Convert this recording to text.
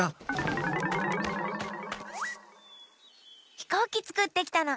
ひこうきつくってきたの。